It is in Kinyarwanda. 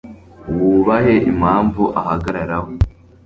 wubahe impamvu ahagararaho